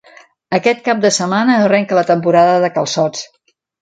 Aquest cap de setmana, arrenca la temporada de calçots.